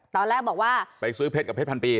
ตอนแรกบอกว่าไปซื้อเพชรกับเพชรพันปี